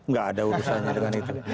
nggak ada urusannya dengan itu